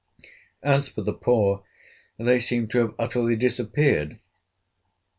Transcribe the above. As for the poor, they seemed to have utterly disappeared.